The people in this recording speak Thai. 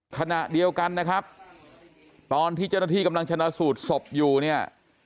ขณะเดียวกันนะครับตอนที่เจ้าหน้าที่กำลังชนะสูตรศพอยู่เนี่ย